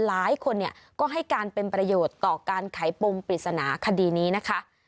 หลายคนก็ให้การเป็นประโยชน์ต่อการไขปมปริศนาคดีนี้นะคะ